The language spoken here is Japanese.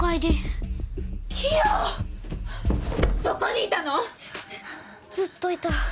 どこにいたの⁉ずっといた。